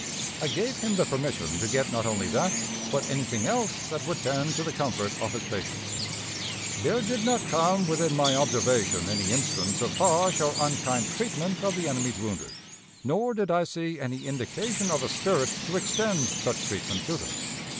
I gave him the permission to get not only that, but anything else that would tend to the comfort of his patients. There did not come within my observation any instance of harsh or unkind treatment of the enemy's wounded; nor did I see any indication of a spirit to extend such treatment to them.